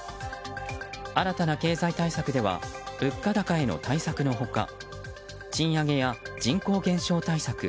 新たな経済対策では物価高への対策の他賃上げや人口減少対策